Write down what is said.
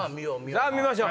さぁ見ましょう。